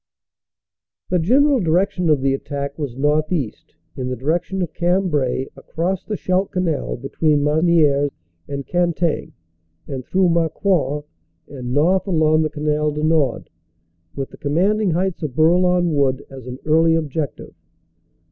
The general direction of the attack was northeast, in the direction of Cambrai across the Scheldt Canal between Mas nieres and Cantaing and through Marcoing; and north along the Canal du Nord with the commanding heights of Bourlon Wood as an early objective.